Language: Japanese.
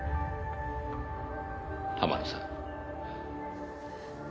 浜野さん。